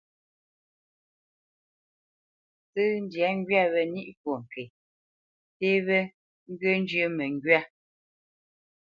Ntsə̌ntndyâ ŋgwê wé ní fwo ŋke, nté wé ŋgyə̂ njyə́ məŋgywá.